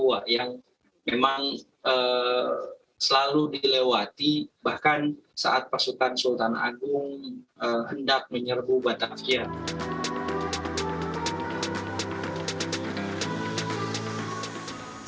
selalu dilewati bahkan saat pasukan sultan agung hendak menyerbu batak kian